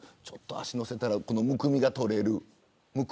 足を乗せたら、むくみが取れる。